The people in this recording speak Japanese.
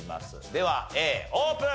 ではＡオープン！